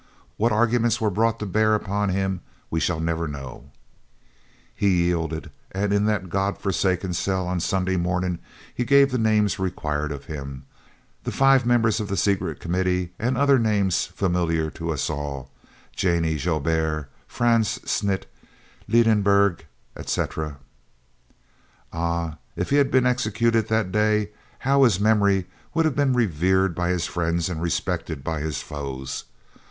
What arguments were brought to bear upon him we shall never know. He yielded, and in that God forsaken cell on Sunday morning he gave the names required of him, the five members of the Secret Committee and other names familiar to us all, Jannie Joubert, Franz Smit, Liebenberg, etc. Ah, if he had been executed that day, how his memory would have been revered by his friends and respected by his foes!